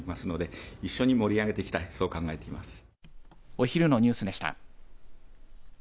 お昼のニュースでした。